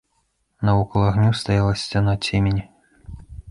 Навокал агню стаяла сцяна цемені.